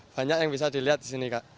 banyak yang bisa dilihat di sini kak